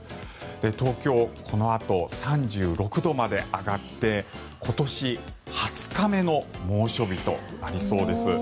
東京、このあと３６度まで上がって今年２０日目の猛暑日となりそうです。